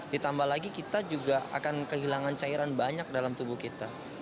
ditambah lagi kita juga akan kehilangan cairan banyak dalam tubuh kita